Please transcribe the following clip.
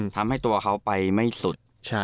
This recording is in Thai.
ทำให้ตัวเขาไปไม่สุด